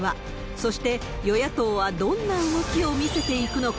そして、与野党はどんな動きを見せていくのか。